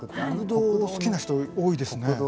国道好きな人多いですね。